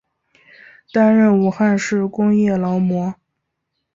担任武汉市工业劳模。